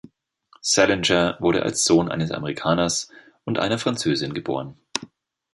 Salinger wurde als Sohn eines Amerikaners und einer Französin geboren.